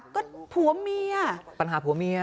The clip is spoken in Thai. ก็ผัวเมียร์พันธ์หาผัวเมียร์